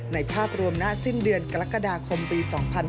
ภาพรวมณสิ้นเดือนกรกฎาคมปี๒๕๕๙